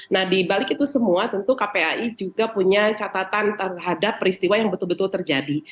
nah dibalik itu semua tentu kpai juga punya catatan terhadap peristiwa yang betul betul terjadi